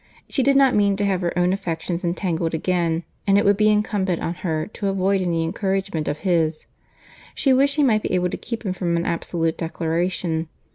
She did not mean to have her own affections entangled again, and it would be incumbent on her to avoid any encouragement of his. She wished she might be able to keep him from an absolute declaration.